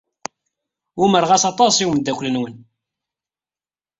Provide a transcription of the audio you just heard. Umareɣ-as aṭas i umeddakel-nwen.